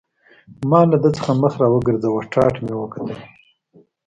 ما له ده څخه مخ را وګرځاوه، ټاټ مې وکتل.